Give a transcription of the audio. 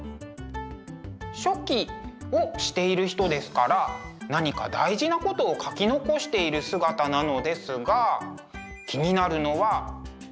書記をしている人ですから何か大事なことを書き残している姿なのですが気になるのはこの顔。